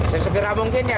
sesegera mungkin ya